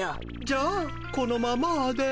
じゃあこのままで。